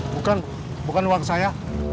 bukan bukan duit saya